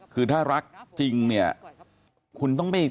คือต้ารักจริงน่ะ